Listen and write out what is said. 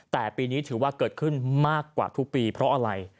แต่ปีนี้ถือว่าเกิดขึ้นมากกว่าทุกปีเพราะอะไร